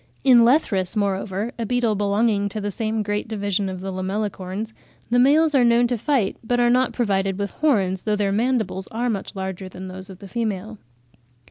In Lethrus, moreover, a beetle belonging to the same great division of the Lamellicorns, the males are known to fight, but are not provided with horns, though their mandibles are much larger than those of the female.